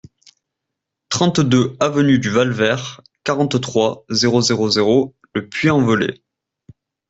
trente-deux avenue du Val Vert, quarante-trois, zéro zéro zéro, Le Puy-en-Velay